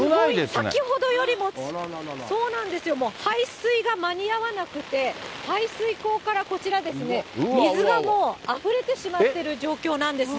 先ほどよりも、そうなんです、排水が間に合わなくて、排水溝からこちらですね、水がもうあふれてしまっている状況なんですね。